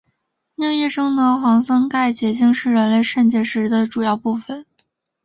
尿液中的草酸钙结晶是人类肾结石的主要成分。